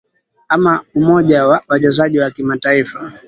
ama umoja wa wachezaji wa kimataifa